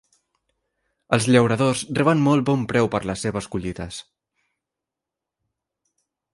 Els llauradors reben molt bon preu per les seves collites